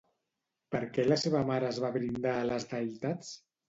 Per què la seva mare es va brindar a les deïtats?